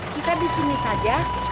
kita disini saja